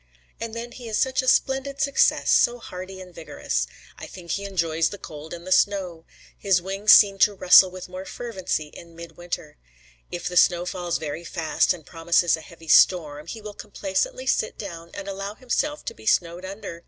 And then he is such a splendid success, so hardy and vigorous. I think he enjoys the cold and the snow. His wings seem to rustle with more fervency in midwinter. If the snow falls very fast, and promises a heavy storm, he will complacently sit down and allow himself to be snowed under.